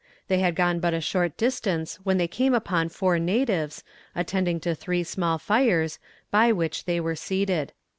They had gone but a short distance when they came upon four natives, attending to three small fires, by which they were seated.